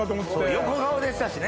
横顔でしたしね。